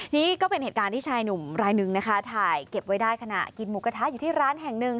นี่ก็เป็นเหตุการณ์ที่ชายหนุ่มรายหนึ่งนะคะถ่ายเก็บไว้ได้ขณะกินหมูกระทะอยู่ที่ร้านแห่งหนึ่ง